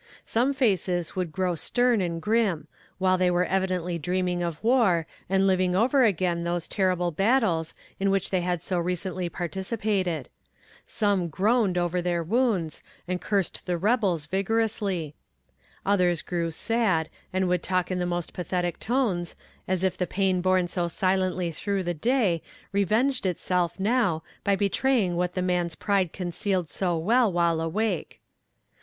Some faces would grow stern and grim they were evidently dreaming of war, and living over again those terrible battles in which they had so recently participated; some groaned over their wounds, and cursed the rebels vigorously; others grew sad, and would talk in the most pathetic tones, as if the pain borne so silently through the day revenged itself now by betraying what the man's pride concealed so well while awake.